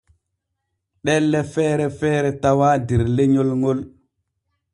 Ɗelle feere feere tawaa der lenyol ŋol.